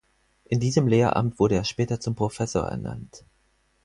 In diesem Lehramt wurde er später zum Professor ernannt.